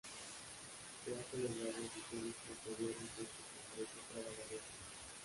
Se han celebrado ediciones posteriores de este congreso cada varios años.